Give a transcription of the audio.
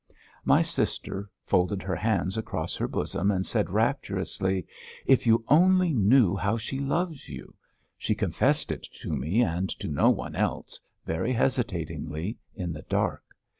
My sister folded her hands across her bosom and said rapturously: "If you only knew how she loves you! She confessed it to me and to no one else, very hesitatingly, in the dark.